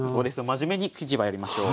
真面目に生地はやりましょう。